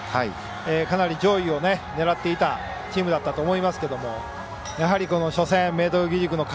かなり上位を狙っていたチームだったと思いますがやはりこの初戦明徳義塾の壁